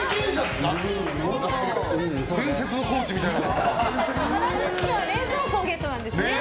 伝説のコーチみたいな。